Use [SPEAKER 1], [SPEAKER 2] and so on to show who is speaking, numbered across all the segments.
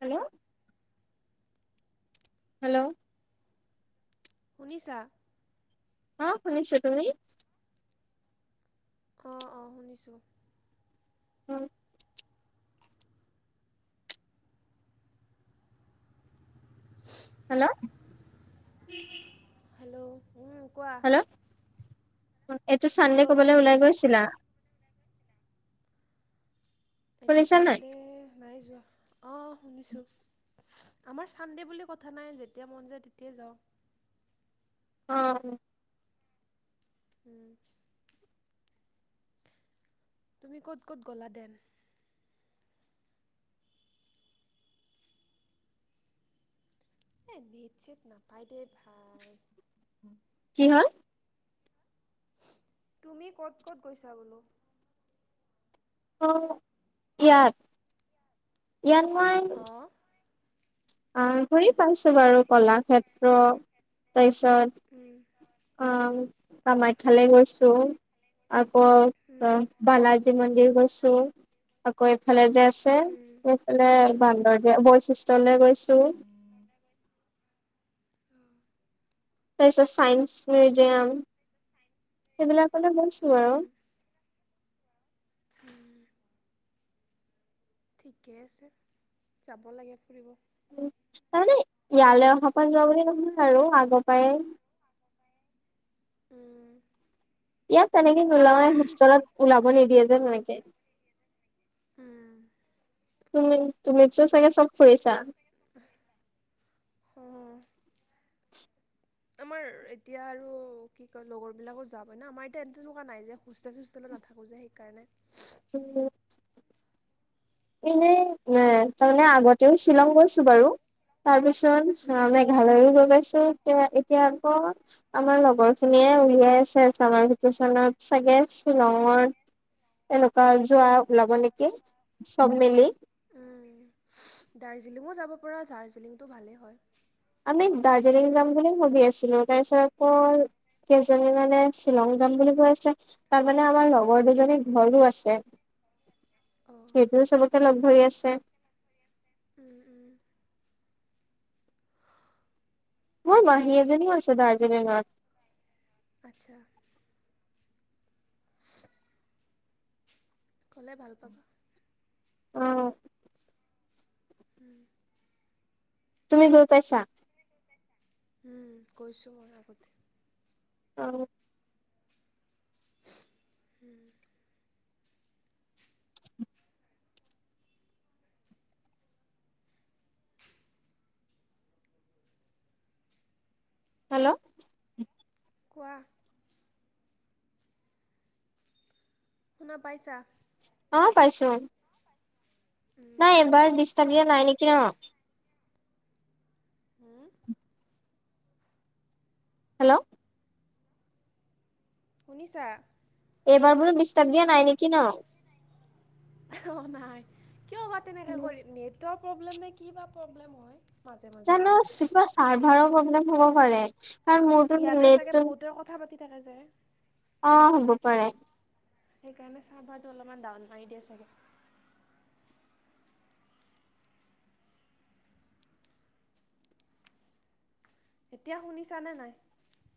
[SPEAKER 1] Hello hello
[SPEAKER 2] শুনিছা
[SPEAKER 1] অ শুনিছো তুমি
[SPEAKER 2] অঁ অঁ শুনিছোঁ
[SPEAKER 1] উম। হেল্ল'।
[SPEAKER 2] হেল্ল'। উম, কোৱা
[SPEAKER 1] হেল্ল' অ [unintelligible] এইটো
[SPEAKER 2] হেল্ল'
[SPEAKER 1] চানডে ক'ৰবালৈ ওলাই গৈছিলা?
[SPEAKER 2] এইটো
[SPEAKER 1] শুনিছা নাই
[SPEAKER 2] চানডে, নাই যোৱা। অঁ শুনিছোঁ আমাৰ ছানডে' বুলি কথা নাই যেতিয়া মন যায় তেতিয়াই যাওঁ।
[SPEAKER 1] অ'
[SPEAKER 2] উম। তুমি ক'ত ক'ত গ'লা দেন? এ নেট চট নাপায় দেই ভাই।
[SPEAKER 1] কি হ'ল!
[SPEAKER 2] তুমি ক'ত ক'ত গৈছা বোলো?
[SPEAKER 1] অ' ইয়াত ইয়াত মই
[SPEAKER 2] অঁ
[SPEAKER 1] অ' ঘুৰি পাইছো বাৰু ক'লাক্ষেত্ৰ তেজ
[SPEAKER 2] উম
[SPEAKER 1] ত অ [unintelligible] কামাখ্যালে গৈছো
[SPEAKER 2] উম
[SPEAKER 1] বালাজি মন্দিৰ গৈছো চ' আকৌ এফালে যেছে
[SPEAKER 2] উম
[SPEAKER 1] এইফালে বান্দৰদোৱা বৈশিষ্টলৈ গৈছ জু তাৰপিছত ছাইন্স মিউজিয়াম সেইবিলাকলৈ গৈছোঁ আৰু।
[SPEAKER 2] উম ঠিকে আছে যাব লাগে, ফুৰিব
[SPEAKER 1] তাৰমানে ইয়ালৈ অহা পা যোৱা বুলি নহয় আৰু আগৰ পৰাই
[SPEAKER 2] উম।
[SPEAKER 1] ইয়াত তেনেকে নোলোওঁএই, হোষ্টেলত ওলাব নিদিয়ে যে তেনেকে। [inaudible] [unintelligible]
[SPEAKER 2] উম।
[SPEAKER 1] তুমি তুমি তো চাগে চব ফুৰিছা?
[SPEAKER 2] উম।
[SPEAKER 1] [inaudible] [unintelligible]
[SPEAKER 2] আমাৰ এতিয়া আৰু কি কয় লগৰ বিলাকো যাবই না, আমাৰ এতিয়া এনে তেনেকুৱা নাই যে হোষ্টেল-চোষ্টেলত নাথাকো যে সেইকাৰণে।
[SPEAKER 1] এনেই এ তাৰমানে আগতেও শ্বিলং গৈছো বাৰু তাৰপিছত
[SPEAKER 2] উম,
[SPEAKER 1] মেঘালয়ও গৈ পাইছো এতিয়া এতিয়া আকৌ আমাৰ লগৰ খিনিয়ে উলিয়াই আছে, চামাৰ ভেকেচনত চাগে শ্বিলঙত এনেকুৱা যোৱা ওলাব নেকি চব মিলি।
[SPEAKER 2] দাৰ্জিলিঙো যাব পৰা দাৰ্জিলিঙটো ভালেই হয়।
[SPEAKER 1] আমি দাৰ্জিলিং যাম বুলি ভাবি আছিলো। তাৰপিছত আকৌ কেইজনী মানে শ্বিলং যাম বুলি কৈ আছে, তাৰ মানে আমাৰ লগৰ দুজনী ঘৰো আছে।
[SPEAKER 2] অঁ
[SPEAKER 1] সেইটোও চবকে লগ ধৰি আছে। স [inaudible]
[SPEAKER 2] উম উম
[SPEAKER 1] মোৰ মাহী এজনীও আছে দাৰ্জিলিঙত।
[SPEAKER 2] আচ্ছা। ক'লে ভাল পাম।
[SPEAKER 1] অ'।
[SPEAKER 2] উ'ম।
[SPEAKER 1] তুমি গৈ পাইছা?
[SPEAKER 2] উ'ম। গৈছো মই আগতে
[SPEAKER 1] অ'।
[SPEAKER 2] হু'ম।
[SPEAKER 1] হেল্ল'
[SPEAKER 2] কোৱা। শুনা পাইছা।
[SPEAKER 1] অ' পাইছো। এবাৰ ডিষ্টাৰ্ব দিয়া নাই নেকি ন?
[SPEAKER 2] [unintelligible]
[SPEAKER 1] হেল্ল'
[SPEAKER 2] শুনিছা।
[SPEAKER 1] এইবাৰ বোলো ডিস্তাপ দিয়া নাই নেকি ন?
[SPEAKER 2] অ' নাই। কিয় বা তেনেকে
[SPEAKER 1] ন
[SPEAKER 2] কৰি নেট। তেওঁ প্ৰব্লেম নে কি বা প্ৰব্লেম হয়? মাজে মাজে
[SPEAKER 1] জানো কিবা চাৰ্ভাৰৰ প্ৰব্লেম হ'ব পাৰে। কাৰণ মোৰতো
[SPEAKER 2] ইয়াতে চাগে
[SPEAKER 1] নেটতো
[SPEAKER 2] বহুতৰ কথা পাতি থাকে যে।
[SPEAKER 1] অ' হ'ব পাৰে।
[SPEAKER 2] সেইকাৰণে চাৰ্ভাৰতো অলপমান ডাউন মাৰি দিয়ে চাগে। এতিয়া শুনিছানে নাই?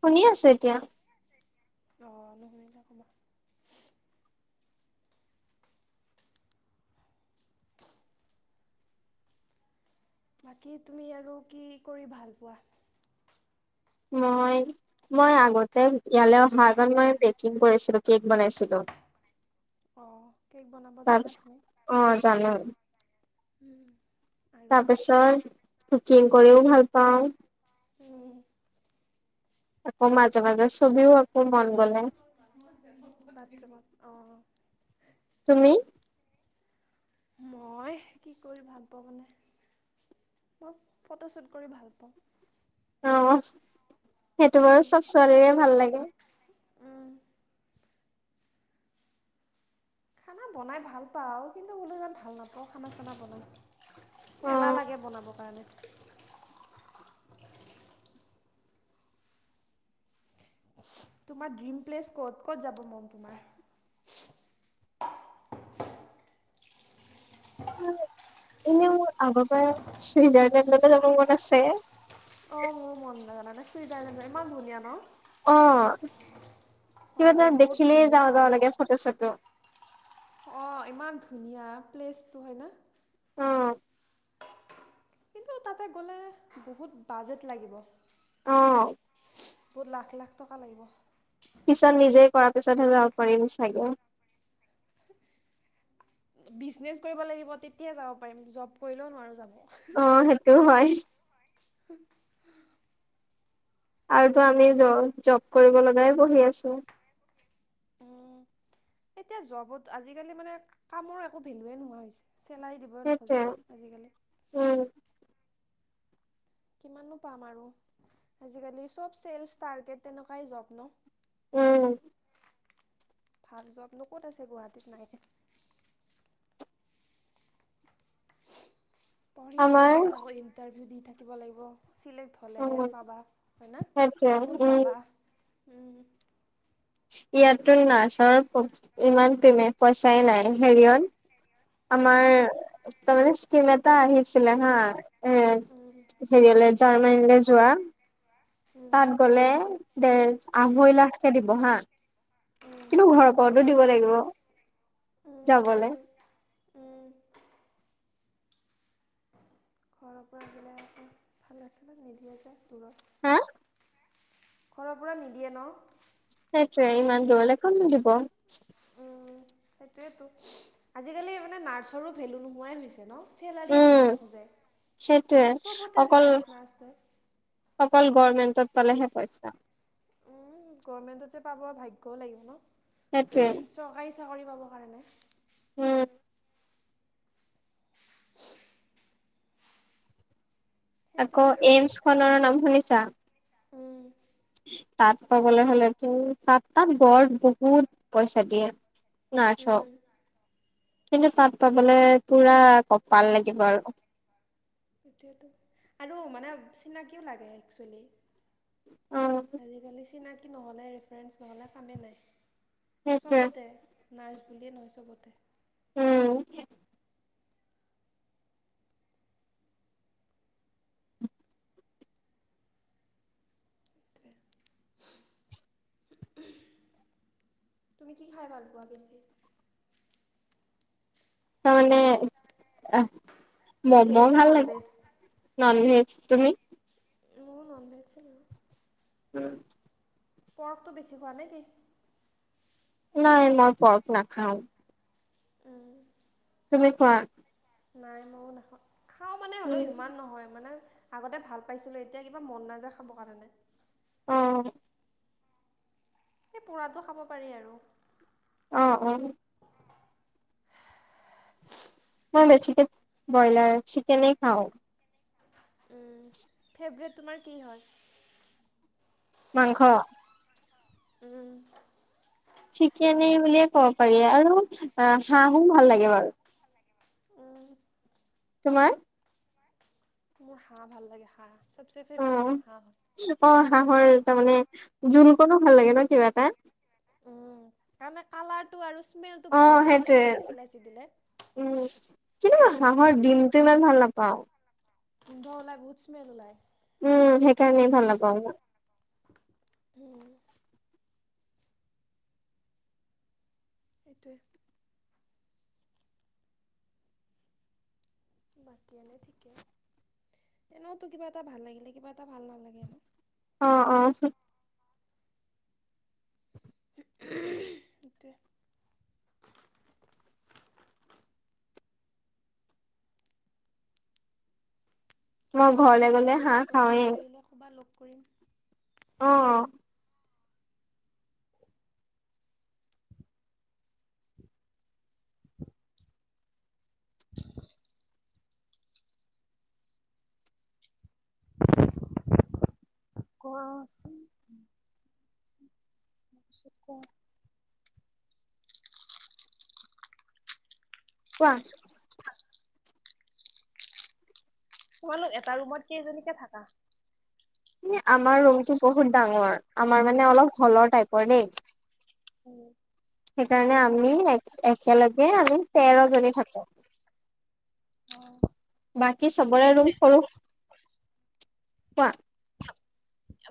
[SPEAKER 1] শুনি আছো এতিয়া।
[SPEAKER 2] অ'। বাকী তুমি আৰু কি কৰি ভাল পোৱা?
[SPEAKER 1] মই মই আগতে ইয়ালৈ অহা আগত মই বেকিং কৰিছিলো। কেক বনাইছিলোঁ।
[SPEAKER 2] অ' কেক বনাব জানা তুমি।
[SPEAKER 1] অ
[SPEAKER 2] উ'ম। আৰু
[SPEAKER 1] তাৰপিছৰ কুকিং কৰিওঁ ভাল পাওঁ।
[SPEAKER 2] উ'ম।
[SPEAKER 1] আকৌ মাজে মাজে ছবিও আকো মন গলে
[SPEAKER 2] বাথৰুমত অ'।
[SPEAKER 1] তুমি
[SPEAKER 2] মই কি কৰি ভাল পাওঁ মানে মই ফটোশ্বুট কৰি ভাল পাওঁ।
[SPEAKER 1] অ'। সেইটো বাৰু চব ছোৱালীৰে ভাল লাগে।
[SPEAKER 2] উম, খানা বনাই ভাল পাওঁ আৰু কিন্তু বোলো ইয়াত ভাল নাপাওঁ খানা চানা
[SPEAKER 1] অ
[SPEAKER 2] বনাই। এলাহ লাগে বনাবৰ কাৰণে। তোমাৰ ড্ৰিম প্লেচ ক'ত ক'ত যাব মন তোমাৰ?
[SPEAKER 1] এনে মোৰ আগৰ পৰা চুইজাৰলেণ্ডক যাব মন আছে।
[SPEAKER 2] অ' মোৰ মন যায় জানানে চুইজাৰলেণ্ড, ইমান ধুনীয়া ন।
[SPEAKER 1] অ' কিবা
[SPEAKER 2] হয়
[SPEAKER 1] এ
[SPEAKER 2] দেই বহুত
[SPEAKER 1] দেখিলেই
[SPEAKER 2] ধুনীয়া
[SPEAKER 1] যাওঁ যাওঁ লাগে ফটো চটো।
[SPEAKER 2] অ' ইমান ধুনীয়া প্লেচটো হয় ন?
[SPEAKER 1] অ'
[SPEAKER 2] কিন্তু তাতে গ'লে বহুত বাজেট লাগিব।
[SPEAKER 1] অ
[SPEAKER 2] বহুত লাখ, লাখ টকা লাগিব।
[SPEAKER 1] পিছত নিজে কৰাৰ পিছতহে যাব পাৰিম চাগে।
[SPEAKER 2] বিজনেচ কৰিব লাগিব তেতিয়া যাব পাৰিম, জব কৰিলেও নোৱাৰো যাব।
[SPEAKER 1] অ সেইটো হয় আৰুতো আমি জ, জব কৰিব লগাই পঢ়ি আছোঁ।
[SPEAKER 2] উম, এতিয়া জবত আজিকালি মানে কামৰ একো ভেলুয়ে নোহোৱা হৈছে। চেলাৰী দিবই নোখোজে
[SPEAKER 1] সেইটোৱে
[SPEAKER 2] ন? আজিকালি।
[SPEAKER 1] উম
[SPEAKER 2] কিমাননো পাম আৰু, আজিকালি চব ছেলচ ষ্টাৰটেড তেনেকুৱাই জব ন?
[SPEAKER 1] উম।
[SPEAKER 2] ভাল জব নো, ক'ত আছে গুৱাহাটীত নাই। পঢ়ি উঠাৰ
[SPEAKER 1] আমাৰ
[SPEAKER 2] পিছত আকৌ ইন্টাৰভিউ দি, থা [unintelligible] লাগিব চিলেক্ট হ'লেহে
[SPEAKER 1] উম
[SPEAKER 2] পাবা, হয়, ‌না?
[SPEAKER 1] সেইটোৱে
[SPEAKER 2] বহুত
[SPEAKER 1] উম
[SPEAKER 2] জালা।
[SPEAKER 1] ইয়াতো নাৰ্চৰ ইমান প্ৰেমে-পইচাই নাই হেৰিয়ন
[SPEAKER 2] উম
[SPEAKER 1] আমাৰ তাৰমানে স্কিম এটা আহিছিলে হা [unintelligible] জাৰ্মানীলে যোৱা
[SPEAKER 2] উম
[SPEAKER 1] তাত গ'লে ডেৰ, আহৈ লাখকে দিব হা কিন্তু ঘৰ ক'ত দিব লাগিব।
[SPEAKER 2] উম
[SPEAKER 1] যাবলৈ।
[SPEAKER 2] সেইটোৱেতো উম ঘৰৰ পৰা দিলে আকৌ ভাল আছিলে নিদিয়ে যায় দূৰত।
[SPEAKER 1] হা?
[SPEAKER 2] ঘৰৰ পৰা নিদিয়ে ন'।
[SPEAKER 1] সেইটোৱে, ইমান দূৰলে কোনে দিব।
[SPEAKER 2] উম, সেইটোৱেটো আজিকালি মানে নাৰ্চৰো ভেলু নোহোৱাই হৈছে ন'। চেলাৰিয়ে দিব
[SPEAKER 1] উম
[SPEAKER 2] নোখোজে,
[SPEAKER 1] সেইটোৱে
[SPEAKER 2] চবতে
[SPEAKER 1] অকল
[SPEAKER 2] নাৰ্চ, নাৰ্চ যে।
[SPEAKER 1] তত পালেহে পইচা।
[SPEAKER 2] উম, গভমেন্টত যে পাব ভাগ্যও লাগিব ন।
[SPEAKER 1] সেইটোৱে
[SPEAKER 2] চৰকাৰি চাকৰি পাবৰ কাৰণে
[SPEAKER 1] উম। আকৌ
[SPEAKER 2] সেইটোৱে আৰু
[SPEAKER 1] এইমচ খনৰ নাম শুনিছা?
[SPEAKER 2] উম,
[SPEAKER 1] তাত পাবলৈ হ'লেতো তাত না গড় বহুত পইচা দিয়ে। নাৰ্ছক।
[SPEAKER 2] উম,
[SPEAKER 1] কিন্তু তাত পাবলে পুৰা কপাল লাগিব আৰু।
[SPEAKER 2] সেইটোৱেইটো, আৰু মানে চিনাকিও লাগে একচুৱেলি।
[SPEAKER 1] অ
[SPEAKER 2] আজিকালি চিনাক কি নহ'লে ৰেফাৰেঞ্চ নহ'লে কামেই নাই।
[SPEAKER 1] সেইটোৱে
[SPEAKER 2] চবতে। নাৰ্ছ বুলিয়ে নহয় চবতে।
[SPEAKER 1] [unintelligible]
[SPEAKER 2] তুমি কি খাই ভাল পোৱা বেছি?
[SPEAKER 1] মই মানে আহ!
[SPEAKER 2] তুমি ভেজ
[SPEAKER 1] মম'
[SPEAKER 2] নে
[SPEAKER 1] ভাল
[SPEAKER 2] নন
[SPEAKER 1] লাগে
[SPEAKER 2] ভেজ?
[SPEAKER 1] ননভে তুমি?
[SPEAKER 2] মোৰ ননভেজ চলে।
[SPEAKER 1] অ'।
[SPEAKER 2] পৰ্কটো বেছি খোৱা নে কি?
[SPEAKER 1] নাই মই পৰ্ক নাখাওঁ।
[SPEAKER 2] উম।
[SPEAKER 1] তুমি খোৱা?
[SPEAKER 2] নাই ময়ো নাখাওঁ। খাও মানে হ'লেও ইমান নহয় মানে আগতে ভাল পাইছিলো এতিয়া কিবা মন নাযায় খাব কাৰণে।
[SPEAKER 1] অ।
[SPEAKER 2] এ পূৰাটো খাব পাৰি আৰু।
[SPEAKER 1] আহ আহ। মই বেছিকে ব্ৰইলাৰ চিকেনে খাওঁ।
[SPEAKER 2] উ ফেভৰেট তোমাৰ কি হয়?
[SPEAKER 1] মাংস।
[SPEAKER 2] উম।
[SPEAKER 1] চিকেন বুলিয়ে ক'ব পাৰি আৰু হাঁহো ভাল লাগে বাৰু।
[SPEAKER 2] উম।
[SPEAKER 1] তোমাৰ।
[SPEAKER 2] মোৰ হাঁহ ভাল লাগে হাঁহ। চবচে
[SPEAKER 1] অ',
[SPEAKER 2] ফেভৰেট মোৰ হাঁহ হয়।
[SPEAKER 1] অ', হাঁহৰ তাৰ মানে জোলটো ভাল লাগে ন কিবা এটা।
[SPEAKER 2] উম তাৰমানে কালাৰটো আৰু স্মেলটো
[SPEAKER 1] অ
[SPEAKER 2] ভাল লাগে ন
[SPEAKER 1] সেইটোৱে
[SPEAKER 2] ইলাচি চিলাচি দিলে
[SPEAKER 1] উম, কিন্তু মই
[SPEAKER 2] উম
[SPEAKER 1] হাঁহৰ ডিমটো ইমান ভাল নাপাও।
[SPEAKER 2] গোন্ধ উলাই বহুত ম্মেল উলাই।
[SPEAKER 1] উম সেইকাৰণেই ভাল নাপাওঁ।
[SPEAKER 2] উ [unintelligible] এইটোৱে এনেতো কিবা এটা ভাল লাগিলে কিবা এটা ভাল নালাগেই।
[SPEAKER 1] অ' অ'
[SPEAKER 2] উমহ
[SPEAKER 1] মই ঘৰলে
[SPEAKER 2] বাকী
[SPEAKER 1] গ'লে
[SPEAKER 2] কেতিয়াবা
[SPEAKER 1] হাঁহ খাওঁৱেই।
[SPEAKER 2] গণেশগুৰি আহিলে [inaudible]
[SPEAKER 1] অহ
[SPEAKER 2] [inaudible] কোৱাচোন কোৱা
[SPEAKER 1] কোৱা
[SPEAKER 2] তোমালোক এটা ৰুমত কেইজনীকে থাকা।
[SPEAKER 1] আমাৰ ৰুমটো বহুত ডাঙৰ আমাৰ মানে অলপ হ'লৰ টাইপৰ দেই।
[SPEAKER 2] উম
[SPEAKER 1] সেইকাৰণে আমি এক একেলগে আমি তেৰ- জনি থাকো। বাকী চবৰে ৰুম
[SPEAKER 2] এনে
[SPEAKER 1] সৰু কোৱা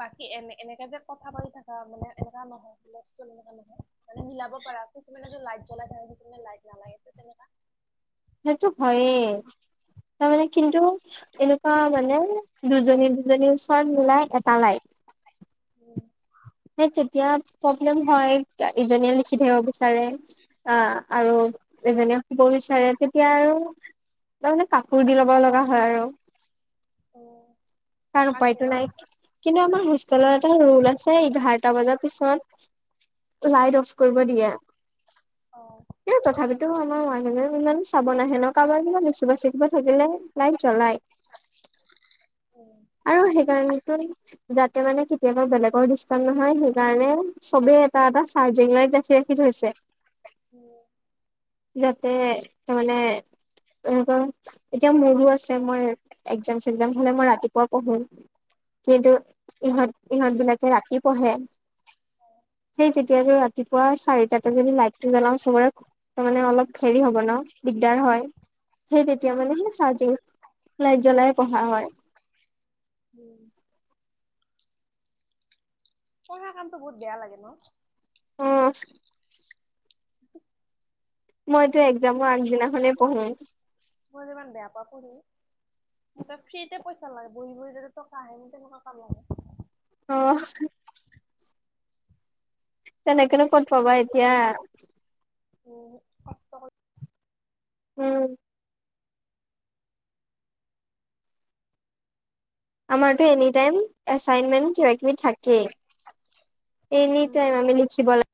[SPEAKER 2] বাকী এ এনেকেযে কথা পাতি থকা বাকি এনেকে যে কথা পাতি থকা মানে নহয় মিলাব পাৰা কিছুমানে লাইট জ্বলাই কিছুমানে লাইট নালাগে তেনে-
[SPEAKER 1] সেইটো হয়েই তাৰমানে কিন্তু এনেকুৱা মানে- দুজনী দুজনীৰ ওচৰত মিলাই এটা লাইট
[SPEAKER 2] উম [unintelligible]
[SPEAKER 1] তেতিয়া প্ৰব্লেম হয় ইজনীয়ে লিখি থাকিব বিচাৰে অ' আৰু এজনীয়ে দিব বিচাৰে তেতিয়া আৰু তাৰ মানে কাপোৰ দি ল'ব লগা হয় আৰু
[SPEAKER 2] অহ
[SPEAKER 1] তাৰ উপায়তটো নাই কিন্তু আমাৰ হোষ্টেলৰ এটা ৰোল আছে এঘাৰটা বজাৰ পিছত লাইট অফ কৰিব
[SPEAKER 2] অ
[SPEAKER 1] দিয়ে- এ তথাপিতো আমাৰ ম- মানে ইমান চাব নাহে ন, কাৰোবাৰ ই লিখিব চিখিব থাকিলে লাইট জ্বলাই
[SPEAKER 2] উম
[SPEAKER 1] আৰু সেইকাৰণেটো যাতে মানে কেতিয়াবা বেলেগৰ ডিষ্টাৰ্ব নহয় সেই কাৰণে চবেই এটা এটা চাৰ্জিং লাইট ৰাখি ৰাখি থৈছে
[SPEAKER 2] [inaudible]
[SPEAKER 1] যাতে তাৰ মানে এনেকুৱা। পুৱা পঢ়ো কিন্তু ইহঁত ইহঁত বিলাকে ৰাতি পঢ়ে
[SPEAKER 2] উম পঢ়া কামতটো বহুত বেয়া লাগে ন।
[SPEAKER 1] অহচ মইতো এক্সাম আগদিনাখনে
[SPEAKER 2] মই যিমান বেয়া পাওঁ পঢ়ি মোকে ফ্ৰীতে পইচা লাগে বহি বহি যাতে টকা আহে মোক তেনেকুৱা কাম লাগে
[SPEAKER 1] অ তেনেকে নো কত পাবা এতিয়া
[SPEAKER 2] [inaudible]
[SPEAKER 1] উম! আমাৰতো এনিটাইম এছাইনমেণ্ট কিবা কিবি থাকেই, এনি টাইম আমি লিখি ব